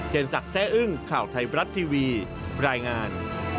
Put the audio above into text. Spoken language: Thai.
ศักดิ์แซ่อึ้งข่าวไทยบรัฐทีวีรายงาน